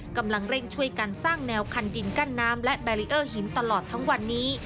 กำลังเร่งช่วยกันสร้างแนวคันดินกั้นน้ำและแบรีเออร์หินตลอดทั้งวันนี้